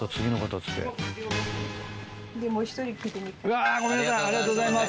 うわごめんなさいありがとうございます。